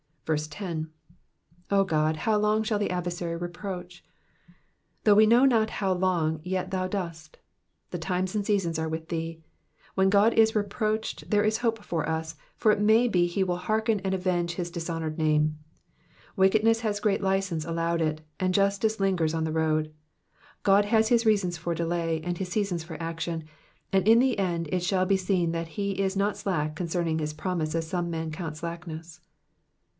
10. 0 Godf how long shall the adversary reproach V* Though wo know not how long yet thou dost. The times and seasons arc with thee. When God is reproached, there is hojxj for us, far it mny bo ho will hearken and avenge Digitized by VjOOQIC PSALM THE SEVEKTT FOURTH. 371 his dishonoured name. Wickedness has great license allowed it, and justice lingers on the road ; God has his reasons for delay, and his seasons for action, and in the end it shall be seen that he is not slack concerning his promise ns some men count slackness.